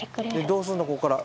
どうすんのこっから。